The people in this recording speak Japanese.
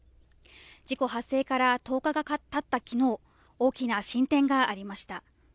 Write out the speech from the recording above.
事故発生から１０日がたった昨日大きな進展がありました。